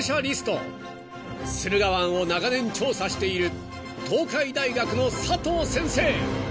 ［駿河湾を長年調査している東海大学の佐藤先生］